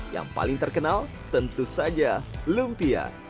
yang paling terkenal tentu saja lumpia